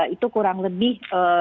itu kurang lebih